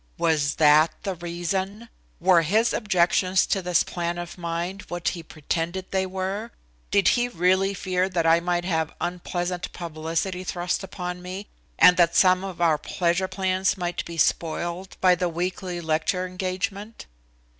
Was that the reason? Were his objections to this plan of mine what he pretended they were? Did he really fear that I might have unpleasant publicity thrust upon me, and that some of our pleasure plans might be spoiled by the weekly lecture engagement?